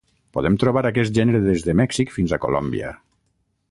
Podem trobar aquest gènere des de Mèxic fins a Colòmbia.